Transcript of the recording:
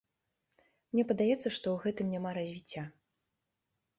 Мне падаецца, што ў гэтым няма развіцця.